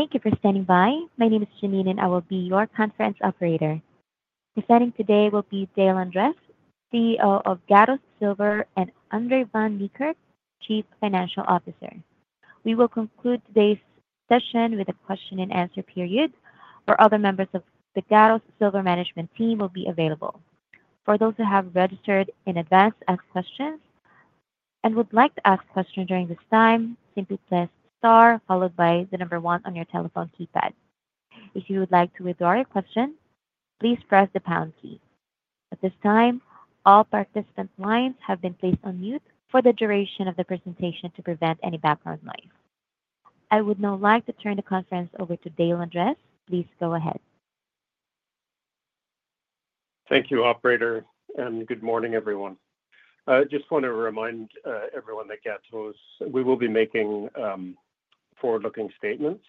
Thank you for standing by. My name is Janine, and I will be your conference operator. Presenting today will be Dale Andres, CEO of Gatos Silver, and André van Niekerk, Chief Financial Officer. We will conclude today's session with a question-and-answer period, where other members of the Gatos Silver management team will be available. For those who have registered in advance to ask questions and would like to ask a question during this time, simply press star followed by the number one on your telephone keypad. If you would like to withdraw your question, please press the pound key. At this time, all participant lines have been placed on mute for the duration of the presentation to prevent any background noise. I would now like to turn the conference over to Dale Andres. Please go ahead. Thank you, Operator, and good morning, everyone. I just want to remind everyone that Gatos, we will be making forward-looking statements,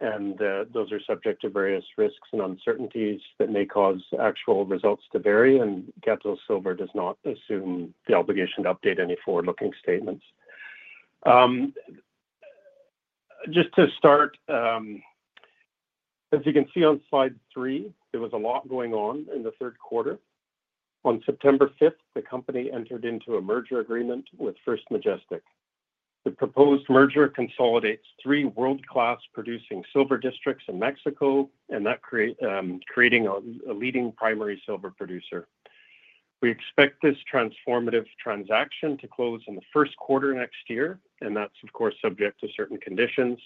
and those are subject to various risks and uncertainties that may cause actual results to vary, and Gatos Silver does not assume the obligation to update any forward-looking statements. Just to start, as you can see on slide three, there was a lot going on in the third quarter. On September 5th, the company entered into a merger agreement with First Majestic. The proposed merger consolidates three world-class producing silver districts in Mexico, creating a leading primary silver producer. We expect this transformative transaction to close in the first quarter next year, and that's, of course, subject to certain conditions,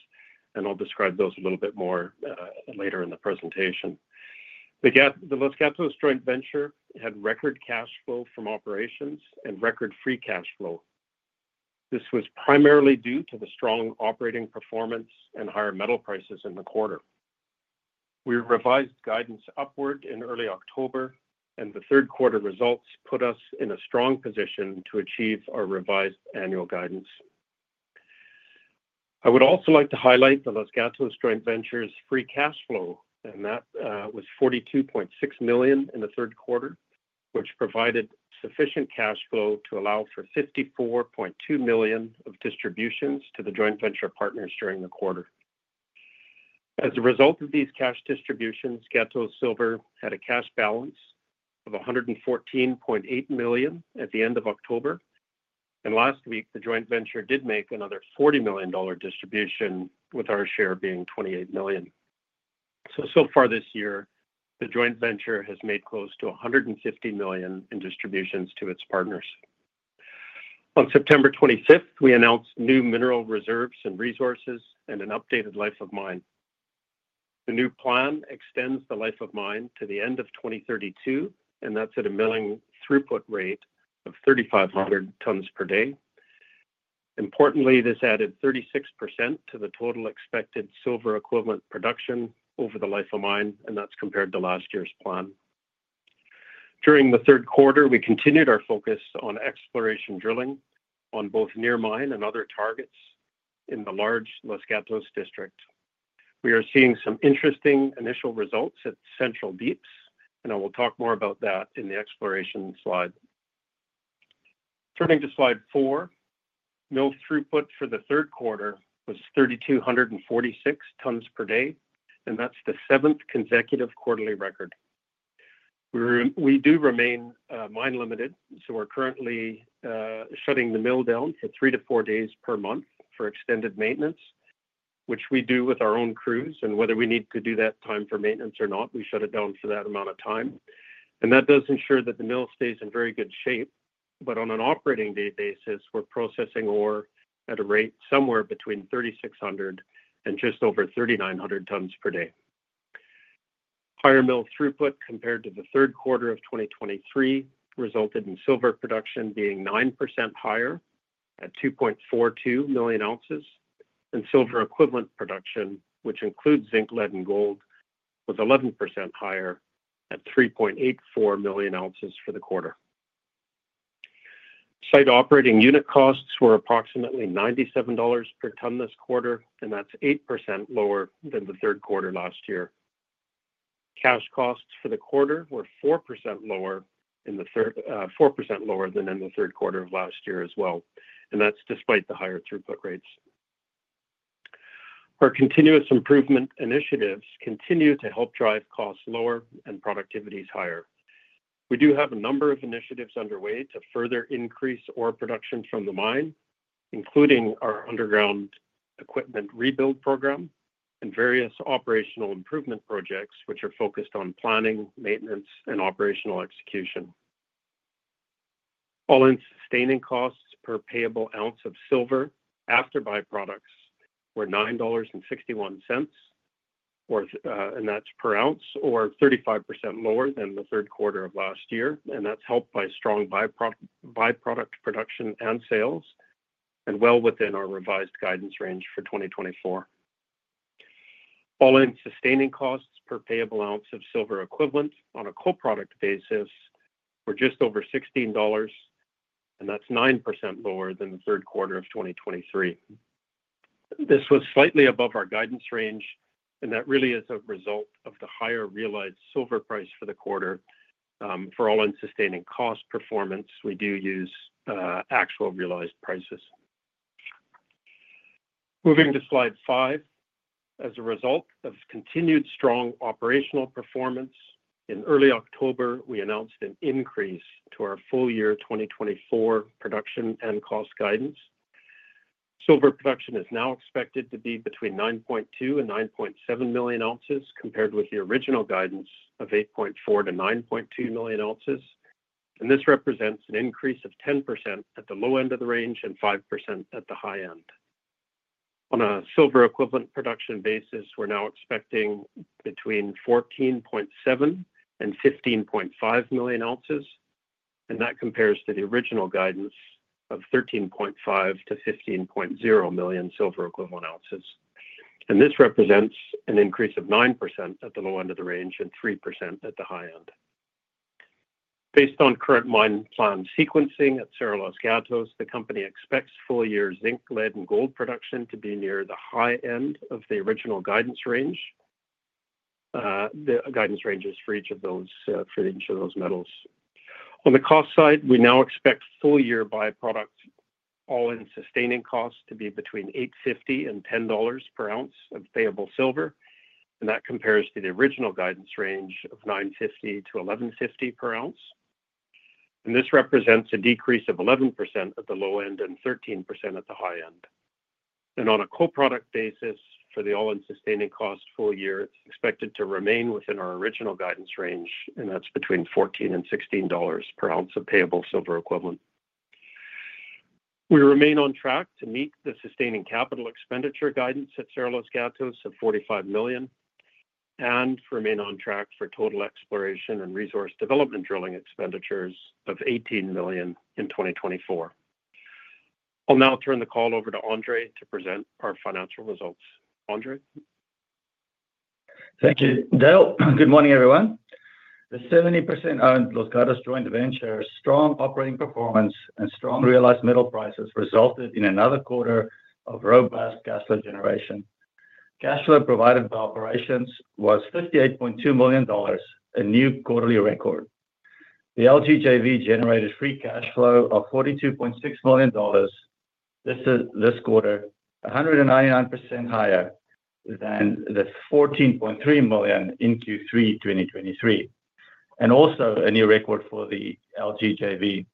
and I'll describe those a little bit more later in the presentation. The Los Gatos Joint Venture had record cash flow from operations and record free cash flow. This was primarily due to the strong operating performance and higher metal prices in the quarter. We revised guidance upward in early October, and the third quarter results put us in a strong position to achieve our revised annual guidance. I would also like to highlight the Los Gatos Joint Venture's free cash flow, and that was $42.6 million in the third quarter, which provided sufficient cash flow to allow for $54.2 million of distributions to the joint venture partners during the quarter. As a result of these cash distributions, Gatos Silver had a cash balance of $114.8 million at the end of October, and last week, the joint venture did make another $40 million distribution, with our share being $28 million. So far this year, the joint venture has made close to $150 million in distributions to its partners. On September 25th, we announced new Mineral Reserves and Resources and an updated Life of Mine. The new plan extends the Life of Mine to the end of 2032, and that's at a Mill Throughput rate of 3,500 tons per day. Importantly, this added 36% to the total expected Silver Equivalent production over the Life of Mine, and that's compared to last year's plan. During the third quarter, we continued our focus on exploration drilling on both near mine and other targets in the large Los Gatos District. We are seeing some interesting initial results at Central Deeps, and I will talk more about that in the exploration slide. Turning to slide four, Mill Throughput for the third quarter was 3,246 tons per day, and that's the seventh consecutive quarterly record. We do remain mine-limited, so we're currently shutting the mill down for three to four days per month for extended maintenance, which we do with our own crews, and whether we need to do that time for maintenance or not, we shut it down for that amount of time, and that does ensure that the mill stays in very good shape, but on an operating day basis, we're processing ore at a rate somewhere between 3,600 tons and just over 3,900 tons per day. Higher mill throughput compared to the third quarter of 2023 resulted in silver production being 9% higher at 2.42 million ounces, and silver equivalent production, which includes zinc, lead, and gold, was 11% higher at 3.84 million ounces for the quarter. Site operating unit costs were approximately $97 per ton this quarter, and that's 8% lower than the third quarter last year. Cash costs for the quarter were 4% lower than in the third quarter of last year as well, and that's despite the higher throughput rates. Our continuous improvement initiatives continue to help drive costs lower and productivities higher. We do have a number of initiatives underway to further increase ore production from the mine, including our underground equipment rebuild program and various operational improvement projects, which are focused on planning, maintenance, and operational execution. All-in sustaining costs per payable ounce of silver after byproducts were $9.61, and that's per ounce, or 35% lower than the third quarter of last year, and that's helped by strong byproduct production and sales, and well within our revised guidance range for 2024. All-in sustaining costs per payable ounce of silver equivalent on a co-product basis were just over $16, and that's 9% lower than the third quarter of 2023. This was slightly above our guidance range, and that really is a result of the higher realized silver price for the quarter. For All-In Sustaining Costs performance, we do use actual realized prices. Moving to slide five, as a result of continued strong operational performance, in early October, we announced an increase to our full year 2024 production and cost guidance. Silver production is now expected to be between 9.2 and 9.7 million ounces, compared with the original guidance of 8.4 million to 9.2 million ounces, and this represents an increase of 10% at the low end of the range and 5% at the high end. On a silver equivalent production basis, we're now expecting between 14.7 million ounces and 15.5 million ounces, and that compares to the original guidance of 13.5 million to 15.0 million silver equivalent ounces, and this represents an increase of 9% at the low end of the range and 3% at the high end. Based on current mine plan sequencing at Cerro Los Gatos, the company expects full year zinc, lead, and gold production to be near the high end of the original guidance range. The guidance ranges for each of those metals. On the cost side, we now expect full year byproduct all in sustaining costs to be between $8.50 and $10 per ounce of payable silver, and that compares to the original guidance range of $9.50-$11.50 per ounce, and this represents a decrease of 11% at the low end and 13% at the high end. On a co-product basis, for the all-in sustaining costs full year, it's expected to remain within our original guidance range, and that's between $14 and $16 per ounce of payable silver equivalent. We remain on track to meet the sustaining capital expenditure guidance at Cerro Los Gatos of $45 million, and remain on track for total exploration and resource development drilling expenditures of $18 million in 2024. I'll now turn the call over to André to present our financial results. André? Thank you, Dale. Good morning, everyone. The 70% owned Los Gatos Joint Venture, strong operating performance, and strong realized metal prices resulted in another quarter of robust cash flow generation. Cash flow provided by operations was $58.2 million, a new quarterly record. The LGJV generated free cash flow of $42.6 million this quarter, 199% higher than the $14.3 million in Q3 2023, and also a new record for the LGJV.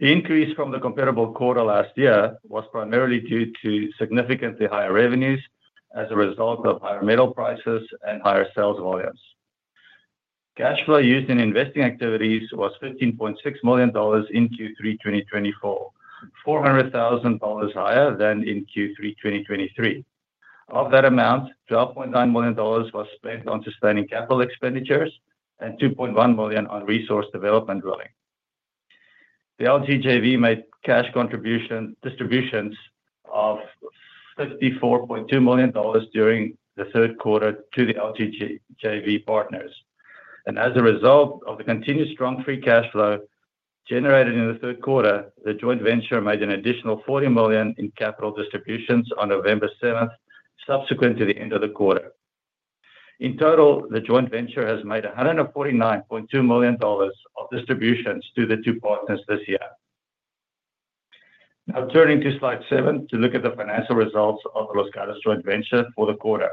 The increase from the comparable quarter last year was primarily due to significantly higher revenues as a result of higher metal prices and higher sales volumes. Cash flow used in investing activities was $15.6 million in Q3 2024, $400,000 higher than in Q3 2023. Of that amount, $12.9 million was spent on Sustaining Capital expenditures and $2.1 million on resource development drilling. The LGJV made cash contributions of $54.2 million during the third quarter to the LGJV partners, and as a result of the continued strong free cash flow generated in the third quarter, the joint venture made an additional $40 million in capital distributions on November 7th, subsequent to the end of the quarter. In total, the joint venture has made $149.2 million of distributions to the two partners this year. Now, turning to slide seven to look at the financial results of the Los Gatos Joint Venture for the quarter.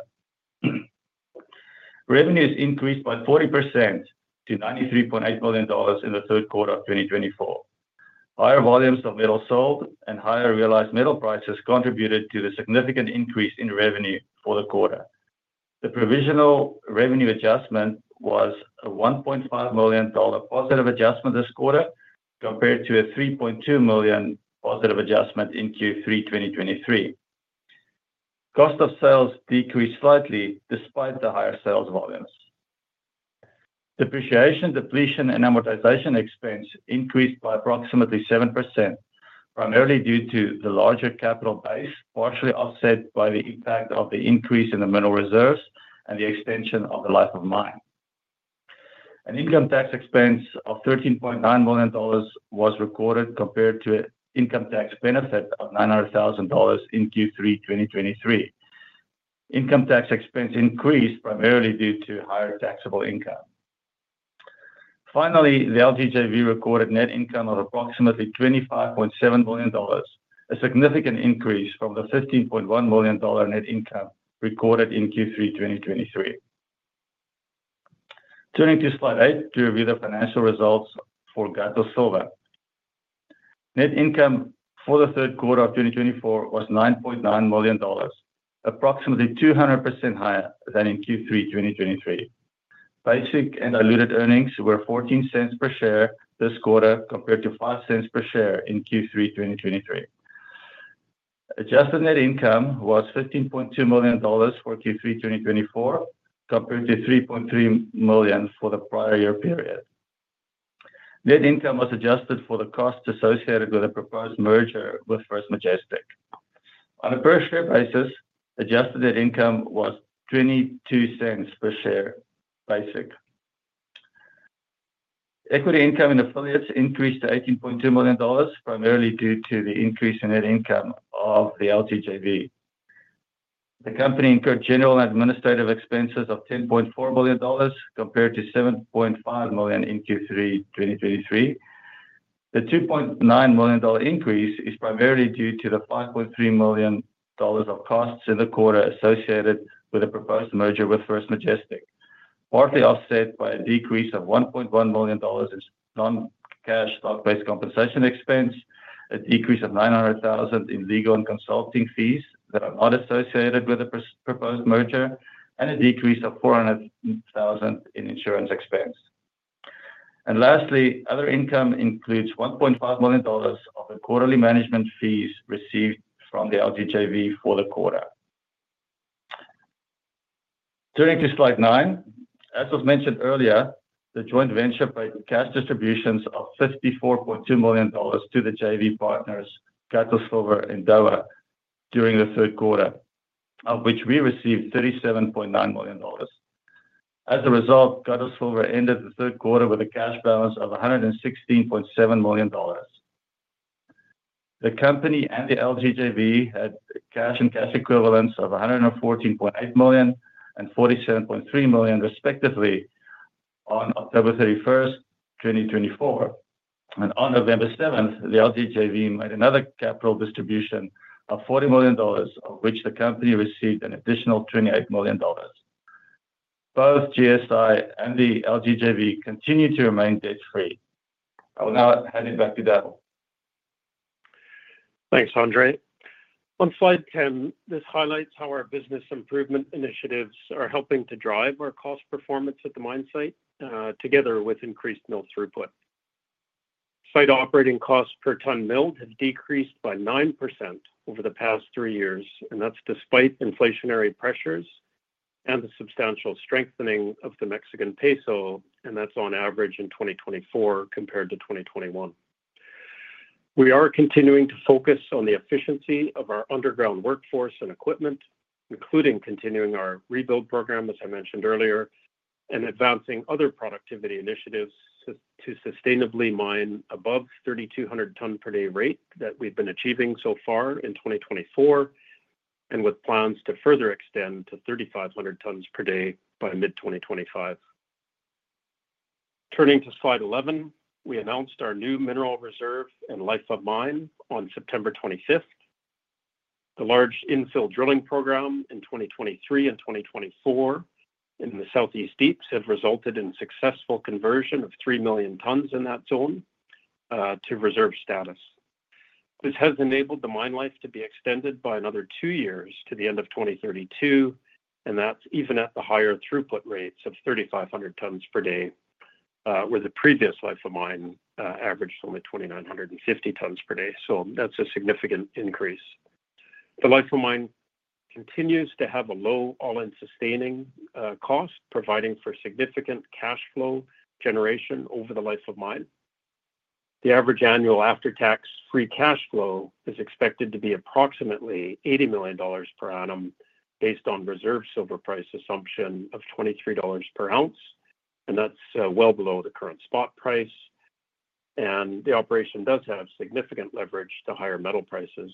Revenues increased by 40% to $93.8 million in the third quarter of 2024. Higher volumes of metal sold and higher realized metal prices contributed to the significant increase in revenue for the quarter. The provisional revenue adjustment was a $1.5 million positive adjustment this quarter compared to a $3.2 million positive adjustment in Q3 2023. Cost of sales decreased slightly despite the higher sales volumes. Depreciation, depletion, and amortization expense increased by approximately 7%, primarily due to the larger capital base, partially offset by the impact of the increase in the mineral reserves and the extension of the life of mine. An income tax expense of $13.9 million was recorded compared to an income tax benefit of $900,000 in Q3 2023. Income tax expense increased primarily due to higher taxable income. Finally, the LGJV recorded net income of approximately $25.7 million, a significant increase from the $15.1 million net income recorded in Q3 2023. Turning to slide eight to review the financial results for Gatos Silver. Net income for the third quarter of 2024 was $9.9 million, approximately 200% higher than in Q3 2023. Basic and diluted earnings were $0.14 per share this quarter compared to $0.05 per share in Q3 2023. Adjusted net income was $15.2 million for Q3 2024 compared to $3.3 million for the prior year period. Net income was adjusted for the costs associated with the proposed merger with First Majestic. On a per-share basis, adjusted net income was $0.22 per share basic. Equity income and affiliates increased to $18.2 million, primarily due to the increase in net income of the LGJV. The company incurred general and administrative expenses of $10.4 million compared to $7.5 million in Q3 2023. The $2.9 million increase is primarily due to the $5.3 million of costs in the quarter associated with the proposed merger with First Majestic, partly offset by a decrease of $1.1 million in non-cash stock-based compensation expense, a decrease of $900,000 in legal and consulting fees that are not associated with the proposed merger, and a decrease of $400,000 in insurance expense. And lastly, other income includes $1.5 million of the quarterly management fees received from the LGJV for the quarter. Turning to slide nine, as was mentioned earlier, the joint venture paid cash distributions of $54.2 million to the JV partners, Gatos Silver and DOA during the third quarter, of which we received $37.9 million. As a result, Gatos Silver ended the third quarter with a cash balance of $116.7 million. The company and the LGJV had cash and cash equivalents of $114.8 million and $47.3 million, respectively, on October 31st, 2024. And on November 7th, the LGJV made another capital distribution of $40 million, of which the company received an additional $28 million. Both GSI and the LGJV continue to remain debt-free. I will now hand it back to Dale. Thanks, André. On slide 10, this highlights how our business improvement initiatives are helping to drive our cost performance at the mine site, together with increased mill throughput. Site operating costs per ton milled have decreased by 9% over the past three years, and that's despite inflationary pressures and the substantial strengthening of the Mexican peso, and that's on average in 2024 compared to 2021. We are continuing to focus on the efficiency of our underground workforce and equipment, including continuing our rebuild program, as I mentioned earlier, and advancing other productivity initiatives to sustainably mine above 3,200 ton per day rate that we've been achieving so far in 2024, and with plans to further extend to 3,500 tons per day by mid-2025. Turning to slide 11, we announced our new mineral reserve and life of mine on September 25th. The large infill drilling program in 2023 and 2024 in the Southeast Deeps has resulted in successful conversion of 3 million tons in that zone to reserve status. This has enabled the mine life to be extended by another two years to the end of 2032, and that's even at the higher throughput rates of 3,500 tons per day, where the previous life of mine averaged only 2,950 tons per day. So that's a significant increase. The life of mine continues to have a low all-in sustaining cost, providing for significant cash flow generation over the life of mine. The average annual after-tax free cash flow is expected to be approximately $80 million per annum, based on reserve silver price assumption of $23 per ounce, and that's well below the current spot price, and the operation does have significant leverage to higher metal prices.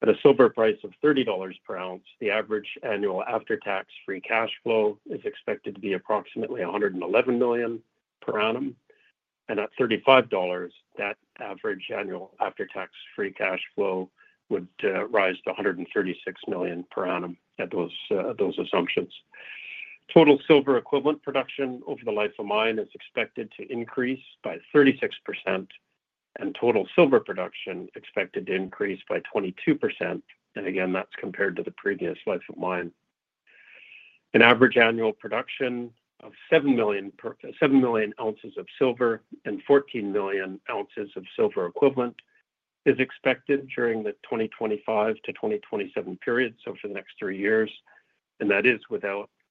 At a silver price of $30 per ounce, the average annual after-tax free cash flow is expected to be approximately $111 million per annum, and at $35, that average annual after-tax free cash flow would rise to $136 million per annum at those assumptions. Total silver equivalent production over the life of mine is expected to increase by 36%, and total silver production expected to increase by 22%, and again, that's compared to the previous life of mine. An average annual production of seven million ounces of silver and 14 million ounces of silver equivalent is expected during the 2025-2027 period, so for the next three years,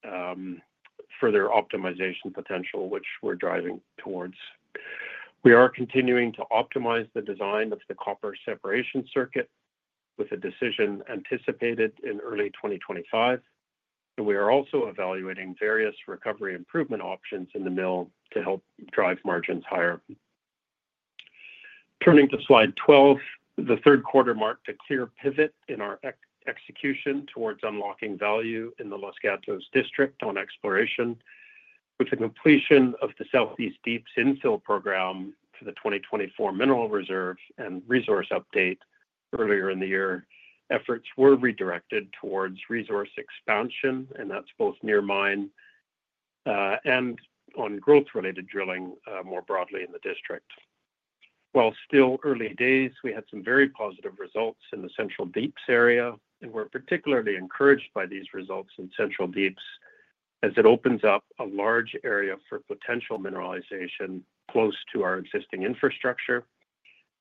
and that is without further optimization potential, which we're driving towards. We are continuing to optimize the design of the copper separation circuit with a decision anticipated in early 2025, and we are also evaluating various recovery improvement options in the mill to help drive margins higher. Turning to slide 12, the third quarter marked a clear pivot in our execution towards unlocking value in the Los Gatos District on exploration. With the completion of the Southeast Deeps infill program for the 2024 mineral reserve and resource update earlier in the year, efforts were redirected towards resource expansion, and that's both near mine and on growth-related drilling more broadly in the district. While still early days, we had some very positive results in the Central Deeps area, and we're particularly encouraged by these results in Central Deeps, as it opens up a large area for potential mineralization close to our existing infrastructure,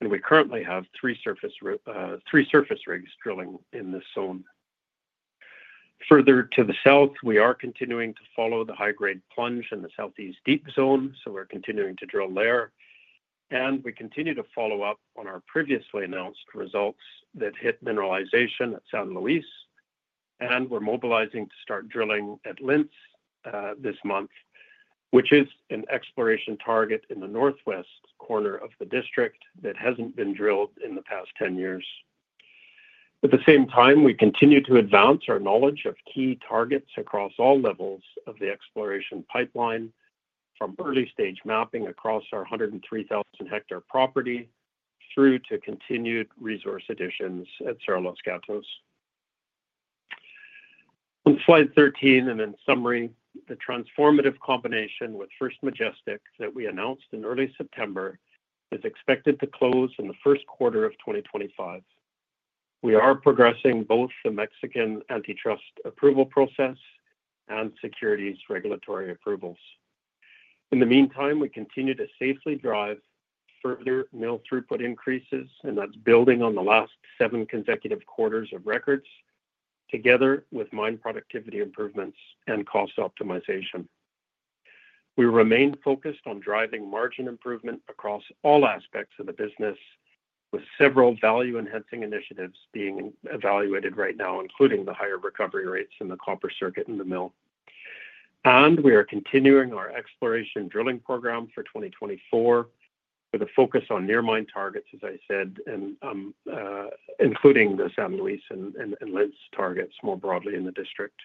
and we currently have three surface rigs drilling in this zone. Further to the south, we are continuing to follow the high-grade plunge in the Southeast Deeps zone, so we're continuing to drill there, and we continue to follow up on our previously announced results that hit mineralization at San Luis, and we're mobilizing to start drilling at Lince this month, which is an exploration target in the northwest corner of the district that hasn't been drilled in the past 10 years. At the same time, we continue to advance our knowledge of key targets across all levels of the exploration pipeline, from early-stage mapping across our 103,000-hectare property through to continued resource additions at Cerro Los Gatos. On slide 13, and in summary, the transformative combination with First Majestic that we announced in early September is expected to close in the first quarter of 2025. We are progressing both the Mexican antitrust approval process and securities regulatory approvals. In the meantime, we continue to safely drive further mill throughput increases, and that's building on the last seven consecutive quarters of records, together with mine productivity improvements and cost optimization. We remain focused on driving margin improvement across all aspects of the business, with several value-enhancing initiatives being evaluated right now, including the higher recovery rates in the copper circuit in the mill. We are continuing our exploration drilling program for 2024 with a focus on near mine targets, as I said, including the San Luis and Lince targets more broadly in the district.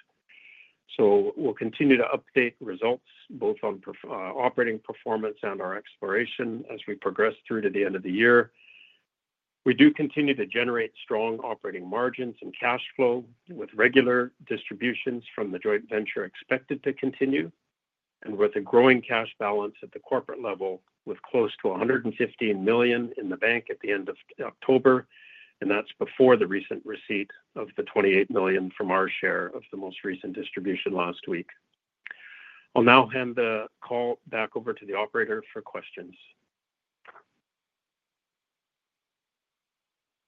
We'll continue to update results both on operating performance and our exploration as we progress through to the end of the year. We do continue to generate strong operating margins and cash flow with regular distributions from the joint venture expected to continue, and with a growing cash balance at the corporate level with close to $115 million in the bank at the end of October, and that's before the recent receipt of the $28 million from our share of the most recent distribution last week. I'll now hand the call back over to the operator for questions.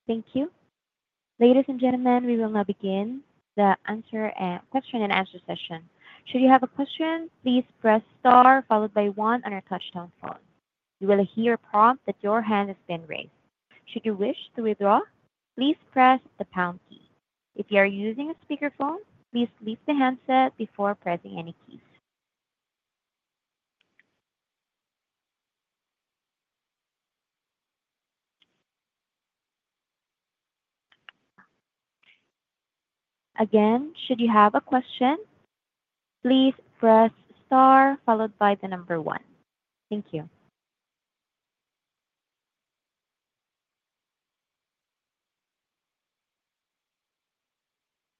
Thank you. Ladies and gentlemen, we will now begin the question and answer session. Should you have a question, please press star followed by one on your touch-tone phone. You will hear a prompt that your hand has been raised. Should you wish to withdraw, please press the pound key. If you are using a speakerphone, please pick up the handset before pressing any keys. Again, should you have a question, please press star followed by the number one. Thank you.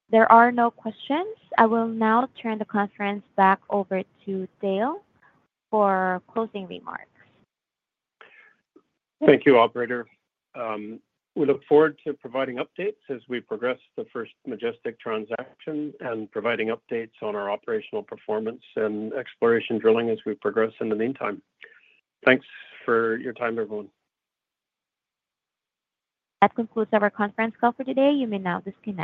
There are no questions. I will now turn the conference back over to Dale for closing remarks. Thank you, operator. We look forward to providing updates as we progress the First Majestic transaction and providing updates on our operational performance and exploration drilling as we progress in the meantime. Thanks for your time, everyone. That concludes our conference call for today. You may now disconnect.